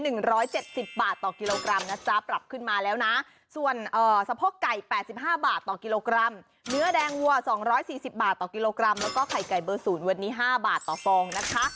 หนึ่งร้อยเจ็ดสิบบาทต่อกิโลกรัมนะจ๊ะปรับขึ้นมาแล้วนะส่วนเอ่อสะโพกไก่แปดสิบห้าบาทต่อกิโลกรัมเนื้อแดงวัวสองร้อยสี่สิบบาทต่อกิโลกรัมแล้วก็ไข่ไก่เบอร์ศูนย์วันนี้ห้าบาทต่อฟองนะคะ